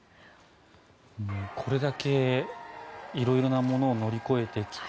これだけ色々なものを乗り越えてきて